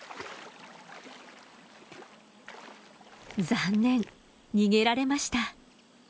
残念逃げられました。